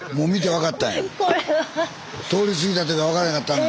通り過ぎた時は分かれへんかったのに。